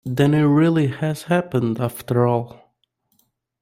Then it really has happened, after all!